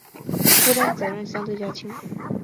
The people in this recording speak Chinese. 负担责任相对较轻